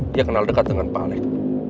dia kenal dekat dengan pak alex